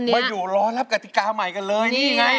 มาอยู่รอรับกติกาใหม่กันเลยนี่ไง